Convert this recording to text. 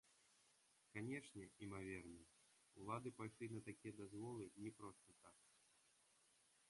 Канешне, імаверна, улады пайшлі на такія дазволы не проста так.